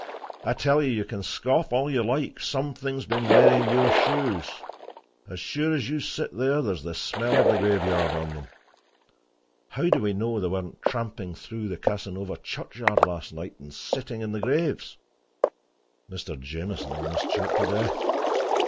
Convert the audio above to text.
I tell you, you can scoff all you like; something has been wearing your shoes. As sure as you sit there, there's the smell of the graveyard on them. How do we know they weren't tramping through the Casanova churchyard last night, and sitting on the graves!" Mr. Jamieson almost choked to death.